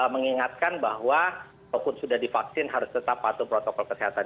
mengingatkan bahwa walaupun sudah divaksin harus tetap patuh protokol kesehatan